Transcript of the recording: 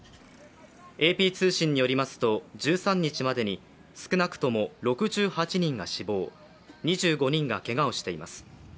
ＡＰ通信によりますと、１３日までに少なくとも６８人が死亡２５人がけがをしています。